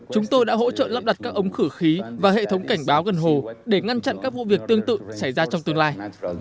chúng tôi đã hỗ trợ lắp đặt các ống khử khí và hệ thống cảnh báo gần hồ để ngăn chặn các vụ việc tương tự xảy ra trong tương lai